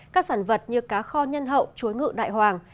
các sản vật như cá kho nhân hậu chuối ngự đại hoàng